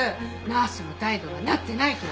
ナースの態度がなってないと。